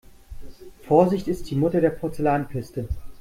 Vorsicht ist die Mutter der Porzellankiste.